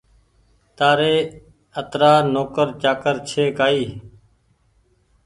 تآريِ اَترآ نوڪر چآڪر ڇي ڪآئي